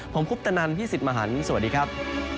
ผมคุปตะนันพี่สิทธิ์มหันฯสวัสดีครับ